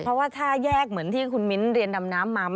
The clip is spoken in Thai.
เพราะว่าถ้าแยกเหมือนที่คุณมิ้นทเรียนดำน้ำมา